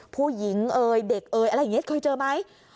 ผู้หญิงเอ่ยเด็กเอ่ยอะไรอย่างนี้เคยเจอไหม